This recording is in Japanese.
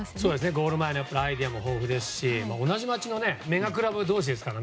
ゴール前のアイデアも豊富ですし同じ街のメガクラブ同士ですから。